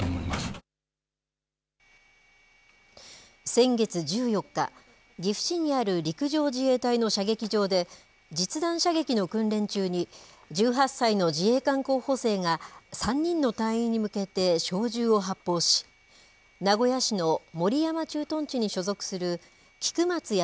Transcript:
先月１４日、岐阜市にある陸上自衛隊の射撃場で、実弾射撃の訓練中に、１８歳の自衛官候補生が３人の隊員に向けて小銃を発砲し、名古屋市の守山駐屯地に所属する菊松安